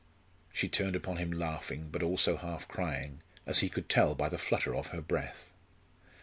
She turned upon him laughing, but also half crying, as he could tell by the flutter of her breath.